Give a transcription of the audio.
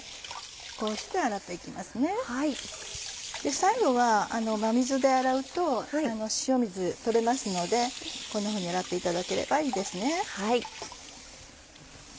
最後は真水で洗うと塩水取れますのでこんなふうに洗っていただければいいですね。